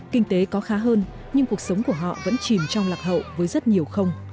kinh tế có khá hơn nhưng cuộc sống của họ vẫn chìm trong lạc hậu với rất nhiều không